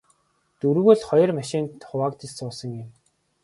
Дөрвүүл хоёр машинд хуваагдаж суусан юм.